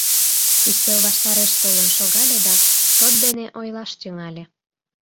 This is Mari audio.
Ӱстел ваштареш толын шогале да шот дене ойлаш тӱҥале.